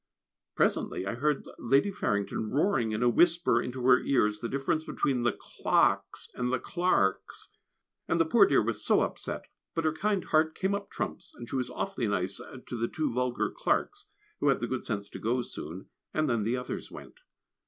Presently I heard Lady Farrington roaring in a whisper into her ears the difference between the Clarkes and the Clarks, and the poor dear was so upset; but her kind heart came up trumps, and she was awfully nice to the two vulgar Clarks, who had the good sense to go soon, and then the others went.